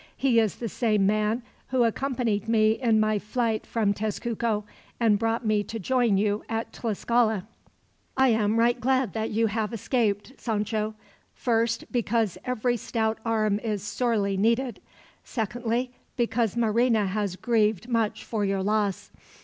He is the same man who accompanied me in my flight from Tezcuco, and brought me to join you at Tlascala." "I am right glad that you have escaped, Sancho. Firstly, because every stout arm is sorely needed. Secondly, because Marina has grieved much for your loss.